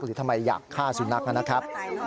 ทำไมอยากฆ่าสุนัขนะครับ